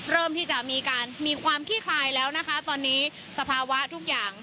เริ่มที่จะมีการมีความขี้คลายแล้วนะคะตอนนี้สภาวะทุกอย่าง